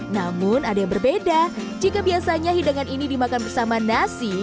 namun ada yang berbeda jika biasanya hidangan ini dimakan bersama nasi